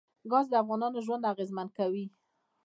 ګاز د افغانانو ژوند اغېزمن کوي.